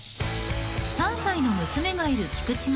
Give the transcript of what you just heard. ［３歳の娘がいる菊地ママ］